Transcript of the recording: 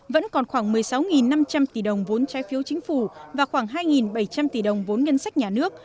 vẫn còn khoảng một mươi sáu năm trăm linh tỷ đồng vốn trái phiếu chính phủ và khoảng hai bảy trăm linh tỷ đồng vốn ngân sách nhà nước